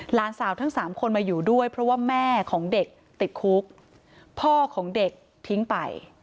หลานสาวทั้งสามคนมาอยู่ด้วยเพราะว่าแม่ของเด็กติดคุกพ่อของเด็กทิ้งไป